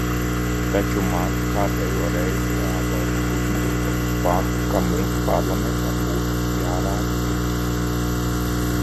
Taču man kārtējo reizi jāvērš uzmanība uz faktu, ka mums, Parlamentam, būtu jārāda priekšzīme.